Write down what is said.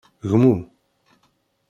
Gmu.